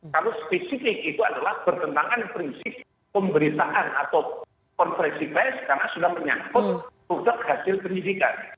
kalau spesifik itu adalah bertentangan prinsip pemberitaan atau konferensi pers karena sudah menyangkut tugas hasil penyidikan